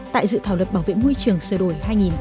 tại dự thảo luật bảo vệ môi trường sửa đổi hai nghìn hai mươi